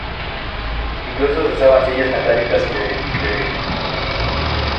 Incluso se usaban sillas metálicas y botellas de vidrio.